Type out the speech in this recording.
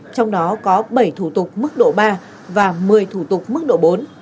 trong đó có bảy thủ tục mức độ ba và một mươi thủ tục mức độ bốn